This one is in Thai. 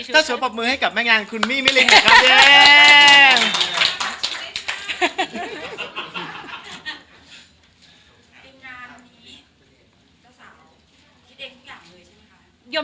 ถ้าสวยปลอบมือให้กับแม่งงานคุณมีมิริง